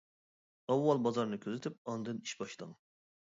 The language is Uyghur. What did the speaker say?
ئاۋۋال بازارنى كۆزىتىپ ئاندىن ئىش باشلاڭ.